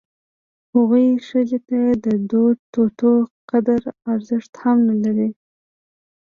هغوی ښځې ته د دوه توتو قدر ارزښت هم نه لري.